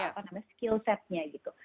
apa namanya skill setnya gitu